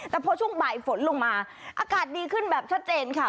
แต่พอช่วงบ่ายฝนลงมาอากาศดีขึ้นแบบชัดเจนค่ะ